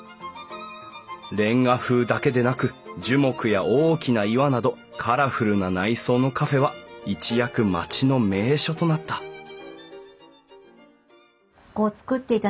レンガ風だけでなく樹木や大きな岩などカラフルな内装のカフェは一躍町の名所となったここを作っていた